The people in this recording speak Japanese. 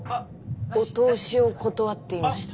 お通しを断っていました。